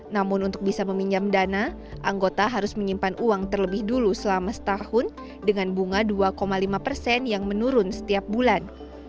namun untuk bisa meminjam dana anggota harus menyimpan uang terlebih dulu selama setahun dengan bunga dua lima persen yang menurun setiap bulan